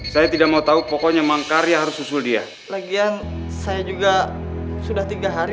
semua gara gara dia nih